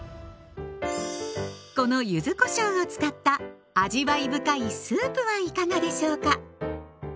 この柚子こしょうを使った味わい深いスープはいかがでしょうか。